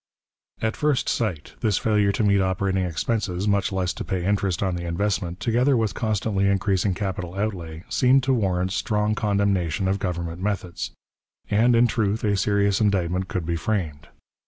At first sight this failure to meet operating expenses, much less to pay interest on the investment, together with constantly increasing capital outlay, seemed to warrant strong condemnation of government methods. And, in truth, a serious indictment could be framed.